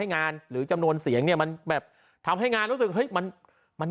งานหรือจำนวนเสียงเนี่ยมันแบบทำให้งานรู้สึกเฮ้ยมันมัน